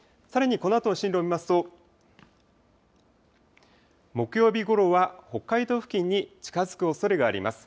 このあと、進路を見ますと木曜日ごろは北海道付近に近づくおそれがあります。